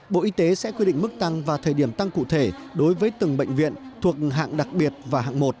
bộ y tế sẽ quy định mức tăng và thời điểm tăng cụ thể đối với từng bệnh viện thuộc hạng đặc biệt và hạng một